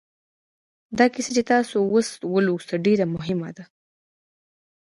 دا کیسه چې تاسې اوس ولوسته ډېره مهمه ده